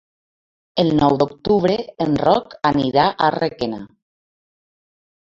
El nou d'octubre en Roc anirà a Requena.